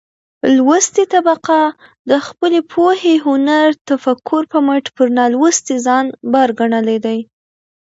لوستې طبقه د خپلې پوهې، هنر ،تفکر په مټ پر نالوستې ځان بر ګنلى دى.